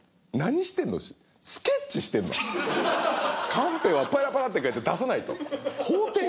カンペはパラパラって書いて出さないと。